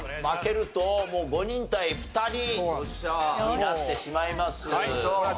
負けるともう５人対２人になってしまいます。